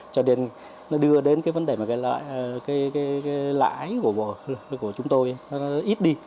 cho nên nó đưa đến cái vấn đề mà cái lãi của chúng tôi ít đi